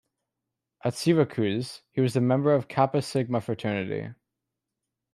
At Syracuse, he was a member of Kappa Sigma Fraternity.